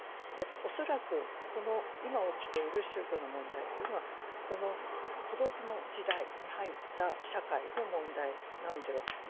恐らくこの今起きている宗教の問題というのはこの孤独の時代に入った社会の問題なのではないかと思うんです。